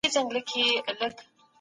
دولت د نوښت لپاره هڅونې برابروي.